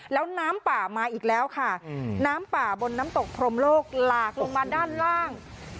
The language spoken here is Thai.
แล้วน้ำป่ามาอีกแล้วค่ะน้ำป่าบนน้ำตกพรมโลกหลากลงมาด้านล่าง